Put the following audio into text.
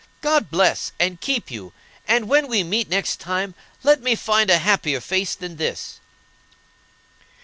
God bless and keep you, and when we meet next time let me find a happier face than this."